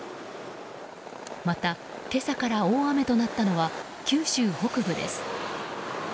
また今朝から大雨となったのは九州北部です。